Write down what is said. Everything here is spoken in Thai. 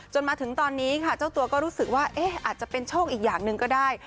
มาถึงตอนนี้ค่ะเจ้าตัวก็รู้สึกว่าอาจจะเป็นโชคอีกอย่างหนึ่งก็ได้